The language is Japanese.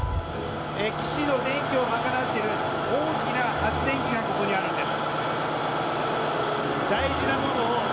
基地の電気を賄っている大きな発電機がここにあるんです。